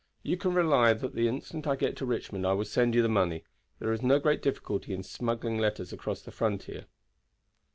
You can rely that the instant I get to Richmond I will send you the money. There is no great difficulty in smuggling letters across the frontier."